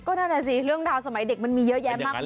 นั่นแหละสิเรื่องราวสมัยเด็กมันมีเยอะแยะมากมาย